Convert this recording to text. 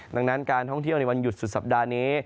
ดังนั้นการท่องเที่ยวในวันหยุดสุดสัปดาห์นี้